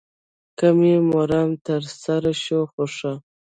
که مې مرام تر سره شو خو ښه.